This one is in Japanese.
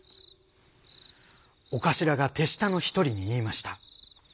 お頭が手下のひとりに言いました。